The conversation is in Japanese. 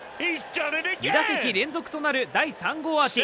２打席連続となる第３号ホームアーチ。